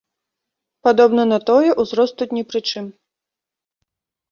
Падобна на тое, узрост тут ні пры чым.